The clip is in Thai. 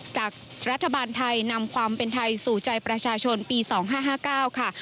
จากรัฐบาลไทยนำความเป็นไทยสู่ใจประชาชนปี๒๕๕๙ค่ะ